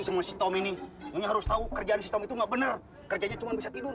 sama si tom ini harus tahu kerjaan sistem itu enggak benar kerjanya cuma bisa tidur